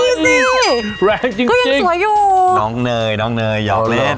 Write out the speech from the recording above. เอาที่นี้สิแรงจริงจริงก็ยังสวยอยู่น้องเนยน้องเนยยอมเล่น